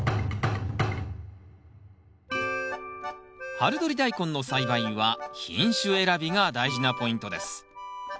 春どりダイコンの栽培は品種選びが大事なポイントです。